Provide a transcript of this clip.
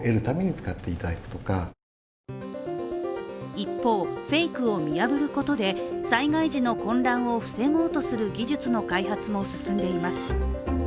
一方、フェイクを見破ることで災害時の混乱を防ごうとする技術の開発も進んでいます。